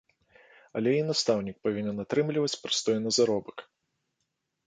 Але і настаўнік павінен атрымліваць прыстойны заробак.